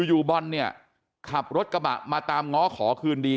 อยู่บอลเนี่ยขับรถกระบะมาตามง้อขอคืนดี